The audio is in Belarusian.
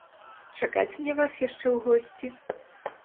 Чакаць мне вас яшчэ ў госці?